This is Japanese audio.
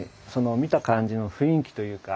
見た感じの雰囲気というか。